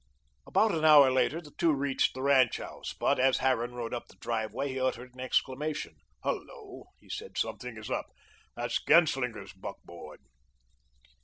About an hour later, the two reached the ranch house, but as Harran rode up the driveway, he uttered an exclamation. "Hello," he said, "something is up. That's Genslinger's buckboard."